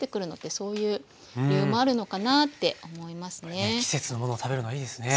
これね季節のものを食べるのはいいですね。